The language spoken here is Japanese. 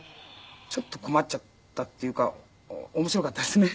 ちょっと困っちゃったっていうか面白かったですね。